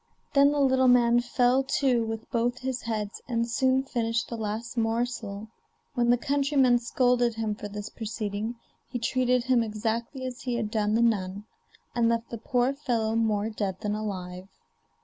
Then the little man fell to with both his heads, and soon finished the last morsel. When the countryman scolded him for this proceeding he treated him exactly as he had done the nun, and left the poor fellow more dead than alive.